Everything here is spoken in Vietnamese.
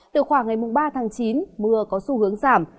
từ khoảng ngày ba tháng chín mưa có xu hướng giảm